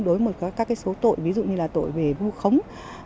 đối với các cái số tội ví dụ như là tội về vu khống